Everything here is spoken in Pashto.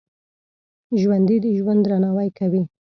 ژوندي د ژوند درناوی کوي